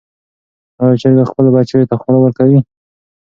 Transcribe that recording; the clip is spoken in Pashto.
آیا چرګه خپلو بچیو ته خواړه ورکوي؟